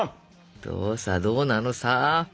どうさどうなのさ。